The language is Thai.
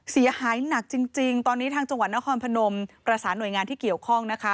เสียหายหนักจริงตอนนี้ทางจังหวัดนครพนมประสานหน่วยงานที่เกี่ยวข้องนะคะ